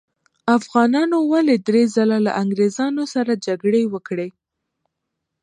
افغانانو ولې درې ځلې له انګریزانو سره جګړې وکړې؟